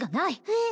えっ